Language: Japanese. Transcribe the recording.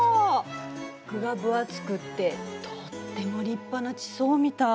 具が分厚くってとっても立派な地層みたい。